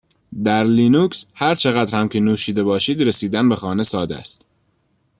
در لینوکس هرچقدر هم که نوشیده باشید، رسیدن به خانه ساده است.